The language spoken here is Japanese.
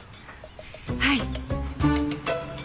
はい！